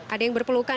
ada yang berpelukan